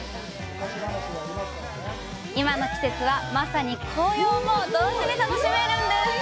今の季節は、まさに紅葉も同時に楽しめるんです！